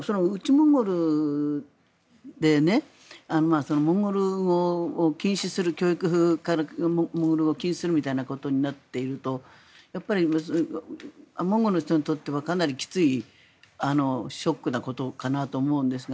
モンゴルでモンゴル語を禁止するみたいなことになっているとモンゴルの人にとってはかなりきついショックなことかなと思うんですが。